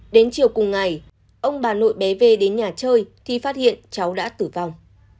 đến chiều cùng ngày ông bà nội bé vy đến nhà chơi thì phát hiện cháu đã tử vong